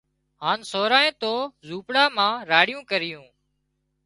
هانَ سورانئين تو زوپڙا مان راڙيون ڪريون